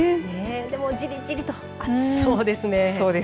でもじりじりと暑そうですね。